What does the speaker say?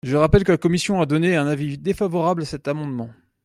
Je rappelle que la commission a donné un avis défavorable à cet amendement.